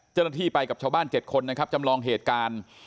เจ้าหน้าที่ไปกับชาวบ้าน๗คนนะครับจำลองเหตุการณ์